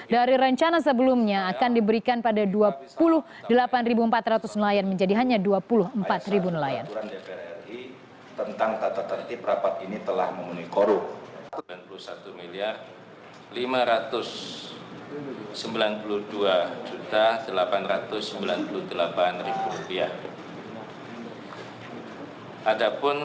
dari rencana sebelumnya akan diberikan pada dua puluh delapan empat ratus nelayan menjadi hanya dua puluh empat nelayan